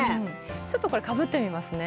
ちょっとこれかぶってみますね。